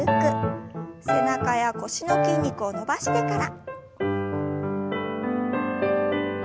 背中や腰の筋肉を伸ばしてから。